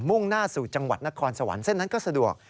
่งหน้าสู่จังหวัดนครสวรรค์เส้นนั้นก็สะดวก